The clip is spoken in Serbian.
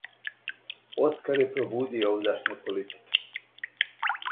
Оскар је пробудио овдашње политичаре.